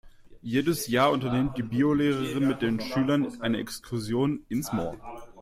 Jedes Jahr unternimmt die Biolehrerin mit den Schülern eine Exkursion ins Moor.